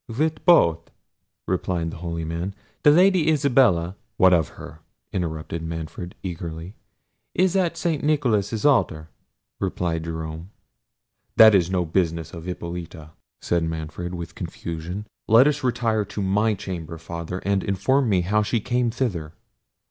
"With both," replied the holy man. "The Lady Isabella—" "What of her?" interrupted Manfred, eagerly. "Is at St. Nicholas's altar," replied Jerome. "That is no business of Hippolita," said Manfred with confusion; "let us retire to my chamber, Father, and inform me how she came thither."